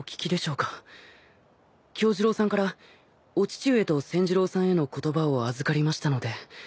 杏寿郎さんからお父上と千寿郎さんへの言葉を預かりましたので。